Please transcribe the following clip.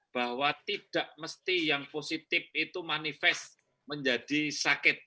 bahwa tidak mesti yang positif itu manifest menjadi sakit